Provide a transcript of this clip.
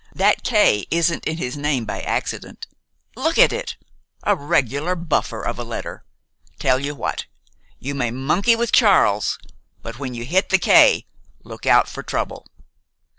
"That K isn't in his name by accident. Look at it, a regular buffer of a letter! Tell you what, you may monkey with Charles; but when you hit the K look out for trouble."